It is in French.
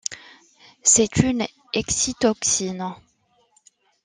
C'est une excitotoxine.